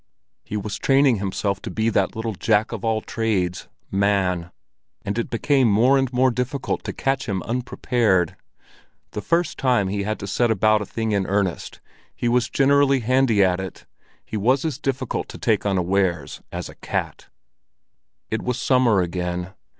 He was training himself to be that little Jack of all trades, man. And it became more and more difficult to catch him unprepared. The first time he had to set about a thing in earnest, he was generally handy at it; he was as difficult to take unawares as a cat. It was summer again.